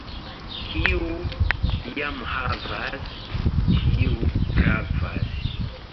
Kiu jam havas, tiu pravas.